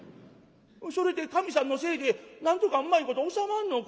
それで神さんのせいでなんとかうまいこと収まんのか？